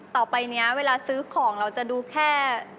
ต่อไปนี้เวลาซื้อของเราจะดูแค่